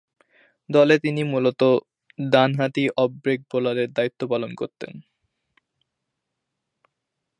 দলে তিনি মূলতঃ ডানহাতি অফ ব্রেক বোলারের দায়িত্ব পালন করতেন।